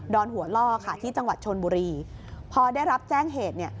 อนหัวล่อค่ะที่จังหวัดชนบุรีพอได้รับแจ้งเหตุเนี่ย